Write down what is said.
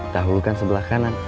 dahulu kan sebelah kanan